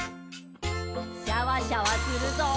シャワシャワするぞ。